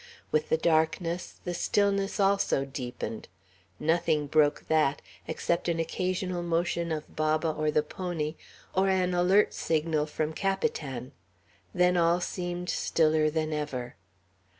With the darkness, the stillness also deepened. Nothing broke that, except an occasional motion of Baba or the pony, or an alert signal from Capitan; then all seemed stiller than ever.